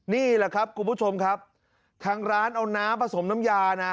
นี่แหละครับคุณผู้ชมครับทางร้านเอาน้ำผสมน้ำยานะ